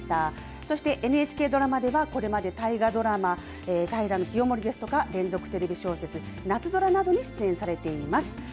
そしてＮＨＫドラマでは、これまで大河ドラマ、平清盛ですとか、連続テレビ小説、なつぞらなどに出演されています。